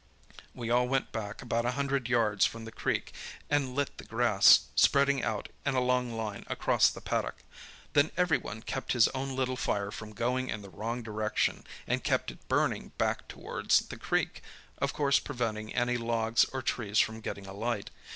"We all went back about a hundred yards from the creek and lit the grass, spreading out in a long line across the paddock. Then every one kept his own little fire from going in the wrong direction, and kept it burning back towards the creek, of course preventing any logs or trees from getting alight.